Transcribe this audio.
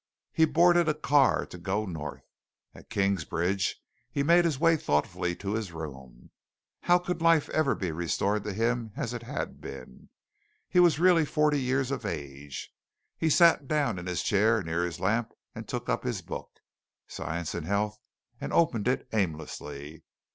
He boarded a car to go north. At Kingsbridge he made his way thoughtfully to his room. How could life ever be restored to him as it had been? He was really forty years of age. He sat down in his chair near his lamp and took up his book, "Science and Health," and opened it aimlessly.